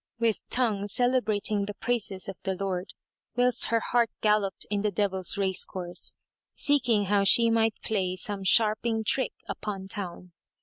with tongue celebrating the praises of the Lord, whilst her heart galloped in the Devil's race course, seeking how she might play some sharping trick upon town.